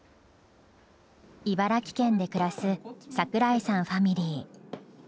茨城県で暮らす櫻井さんファミリー。